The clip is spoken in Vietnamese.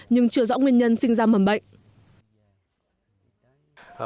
nhưng chưa rõ nguyên nhân sinh ra mầm bệnh